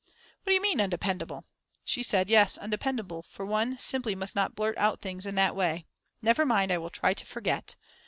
What do you mean, undependable? She said: Yes undependable, for one simply must not blurt out things in that way; never mind, I will try to forget.